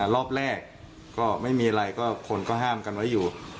รอบแรกก็ไม่มีอะไรก็คนก็ห้ามกันไว้อยู่